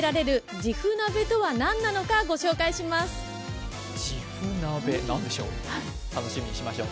じふ鍋、何でしょう。